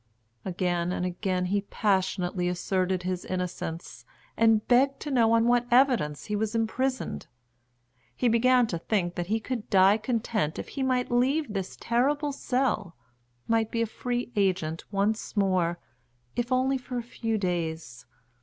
Again and again he passionately asserted his innocence, and begged to know on what evidence he was imprisoned. He began to think that he could die content if he might leave this terrible cell, might be a free agent once more, if only for a few days.